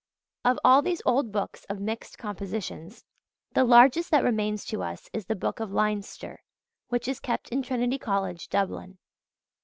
Of all these old books of mixed compositions, the largest that remains to us is the Book of Leinster, which is kept in Trinity College, Dublin.